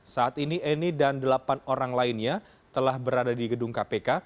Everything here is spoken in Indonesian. saat ini eni dan delapan orang lainnya telah berada di gedung kpk